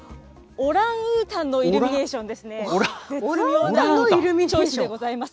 オランウータンのイルミネーションでございます。